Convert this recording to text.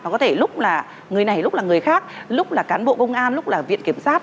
có thể lúc là người này lúc là người khác lúc là cán bộ công an lúc là viện kiểm sát